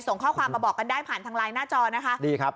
ส่งข้อความมาบอกกันได้ผ่านทางไลน์หน้าจอนะคะดีครับ